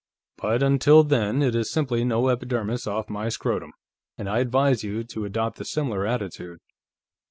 But until then, it is simply no epidermis off my scrotum. And I advise you to adopt a similar attitude."